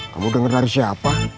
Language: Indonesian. kamu denger dari siapa